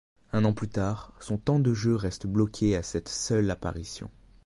Un an plus tard, son temps de jeu reste bloqué à cette seule apparition.